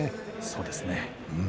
そうですね。